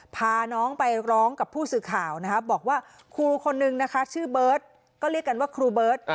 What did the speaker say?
พาน้องไปร้องกับผู้สื่อข่าวนะคะบอกว่าครูคนนึงนะคะชื่อเบิร์ตก็เรียกกันว่าครูเบิร์ต